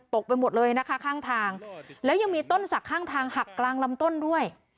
ไปหมดเลยนะคะข้างทางแล้วยังมีต้นสักข้างทางหักกลางลำต้นด้วย